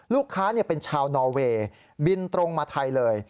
ลูกค้าเป็นชาวนอเวย์บินตรงมาไทยเลย